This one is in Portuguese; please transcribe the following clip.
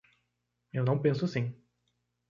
Eu não penso assim.